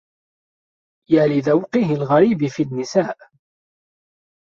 يا لذوقه الغريب في النّساء.